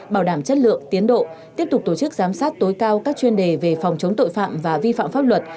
bảo đảm chất lượng tiến độ tiếp tục tổ chức giám sát tối cao các chuyên đề về phòng chống tội phạm và vi phạm pháp luật